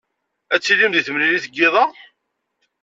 Ad tilim deg temlilit n yiḍ-a?